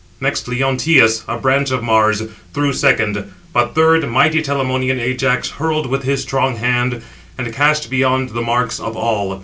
Next Leonteus, a branch of Mars, threw second; but third, mighty Telamonian Ajax hurled with his strong hand, and cast beyond the marks of all.